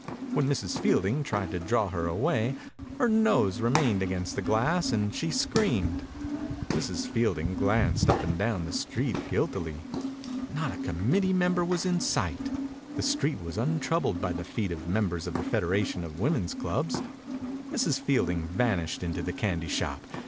When Mrs. Fielding tried to draw her away, her nose remained against the glass and she screamed. Mrs. Fielding glanced up and down the street guiltily. Not 99 584801 THE INCUBATOR BABY a committee member was in sight. The street was un troubled by the feet of mem bers of the Federation of Women*s Clubs. Mrs. Fielding vanished into the candy shop.